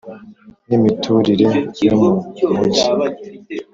N imiturire yo mu mujyi